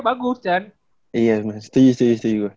bagus chan iya setuju